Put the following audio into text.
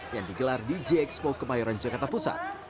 yang digelar di j expo kemayoran jakarta pusat